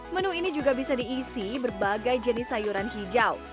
menu ini juga bisa diisi berbagai jenis sayuran hijau